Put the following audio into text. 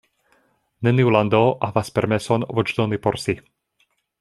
Neniu lando havas permeson voĉdoni por si.